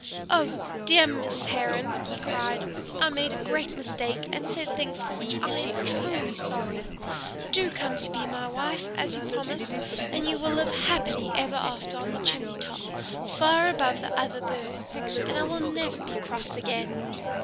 "Oh, dear Miss Heron!" he cried. "I made a great mistake, and said things for which I am truly sorry. Do come to be my loving wife, as you promised, and we will live happily ever after on the chimney top, far above the other birds. And I will never be cross again."